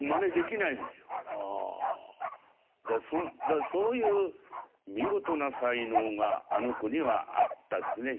だからそういう見事な才能があの子にはあったですね